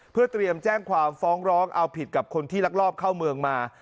เพื่อเตรียมแจ้งความฟ้องร้องเอาผิดกับคนที่ลักลอบเข้าเมืองมา